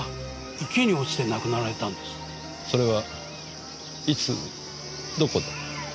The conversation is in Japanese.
それはいつどこで？